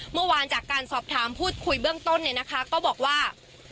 เมื่อวานจากการสอบถามพูดคุยเบื้องต้นเนี่ยนะคะก็บอกว่า